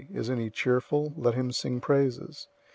Is any cheerful? Let him sing praises.